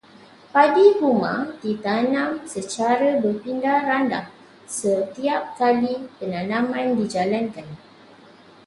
Padi huma ditanam secara berpindah-randah setiap kali penanaman dijalankan.